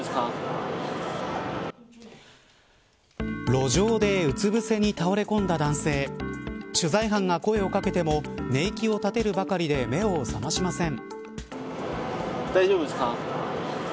路上でうつぶせに倒れ込んだ男性取材班が声を掛けても寝息を立てるばかりで目を覚ましません。